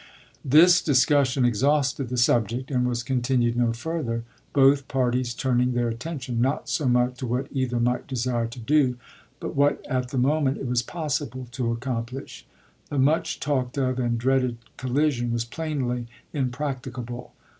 This discussion exhausted the subject and was continued no further, both parties turning their attention, not so much to what either might desire to do, but what at the moment it was possible to accomplish. The much talked of and dreaded col lision was plainly impracticable.